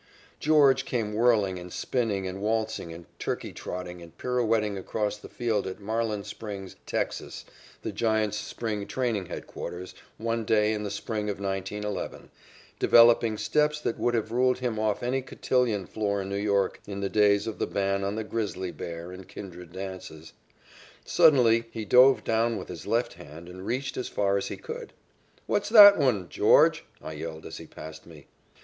George came whirling and spinning and waltzing and turkey trotting and pirouetting across the field at Marlin Springs, Texas, the Giants' spring training headquarters, one day in the spring of 1911, developing steps that would have ruled him off any cotillion floor in New York in the days of the ban on the grizzly bear and kindred dances. Suddenly he dove down with his left hand and reached as far as he could. "What's that one, George?" I yelled as he passed me.